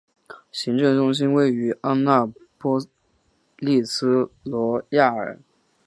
行政中心位于安纳波利斯罗亚尔。